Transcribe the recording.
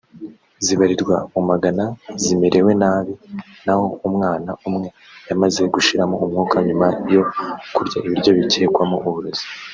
zibarirwa mu magana zimerewe nabi naho umwana umwe yamaze gushiramo umwuka nyuma yo kurya ibiryo bikekwamo uburozi